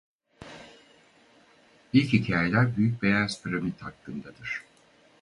İlk hikâyeler "Büyük Beyaz Piramit" hakkındadır.